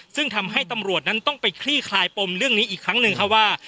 ซึ่งทำให้ตำรวจนั้นต้องไปคลี่คลายปมเรื่องนี้อีกครั้งหนึ่งค่ะว่า